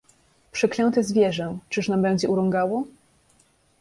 "Przeklęte zwierzę, czyż nam będzie urągało?"